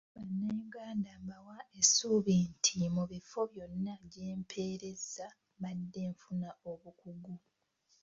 Bannayuganda mbawa essuubi nti mu bifo byonna gye mpeerezza mbadde nfuna obukugu.